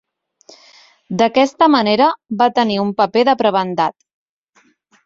D"aquesta manera, va tenir un paper de prebendat.